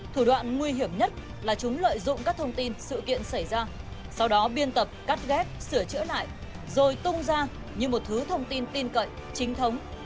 thủ đoạn nguy hiểm nhất là chúng lợi dụng các thông tin sự kiện xảy ra sau đó biên tập cắt ghép sửa chữa lại rồi tung ra như một thứ thông tin tin cậy chính thống